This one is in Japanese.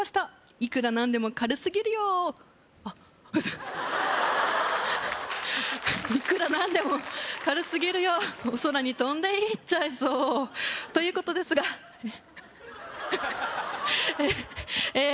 いくら何でも軽すぎるよーあっいくら何でも軽すぎるよーお空に飛んでいっちゃいそうということですがええええ